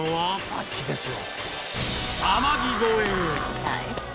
あっちですよ。